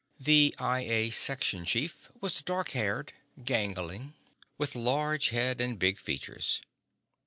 The I A section chief was dark haired, gangling, with large head and big features.